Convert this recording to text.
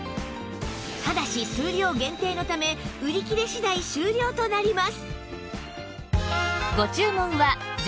ただし数量限定のため売り切れ次第終了となります